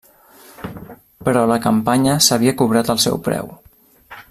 Però la campanya s'havia cobrat el seu preu.